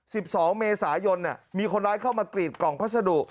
สิบสองเมษายนเนี่ยมีคนร้ายเข้ามากรีดกล่องพัสดุ